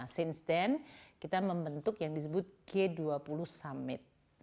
sins dan kita membentuk yang disebut g dua puluh summit